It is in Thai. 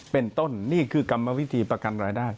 เป็นต้นนี่คือกรรมวิธีประกันรายได้